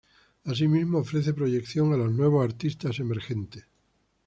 Asimismo ofrece proyección a los nuevos artistas emergentes.